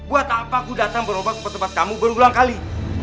buat apa aku datang berobat ke tempat kamu berulang kali